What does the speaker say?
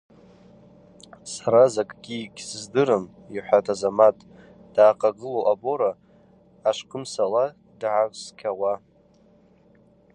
Сара закӏгьи гьсыздырам,–йхӏватӏ Азамат дъахъагылу абора ашвхъымсала дгӏаскӏьауа.